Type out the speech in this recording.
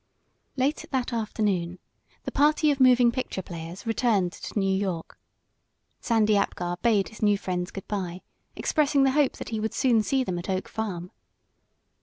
Late that afternoon the party of moving picture players returned to New York. Sandy Apgar bade his new friends good bye, expressing the hope that he would soon see them at Oak Farm.